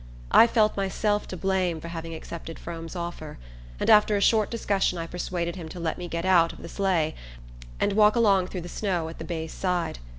I felt myself to blame for having accepted Frome's offer, and after a short discussion I persuaded him to let me get out of the sleigh and walk along through the snow at the bay's side.